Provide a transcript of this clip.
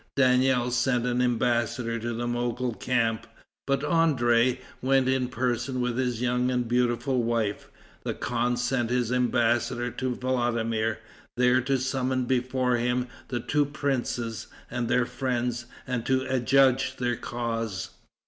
Daniel sent an embassador to the Mogol camp, but André went in person with his young and beautiful wife. The khan sent his embassador to Vladimir, there to summon before him the two princes and their friends and to adjudge their cause.